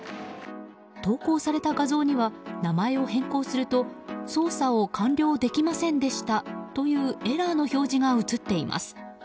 投稿された画像には名前を変更すると「操作を完了できませんでした」というエラーの表示が映っています。